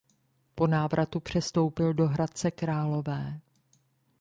Po návratu přestoupil do Hradce Králové.